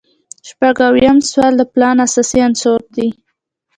شپږ اویایم سوال د پلان اساسي عناصر دي.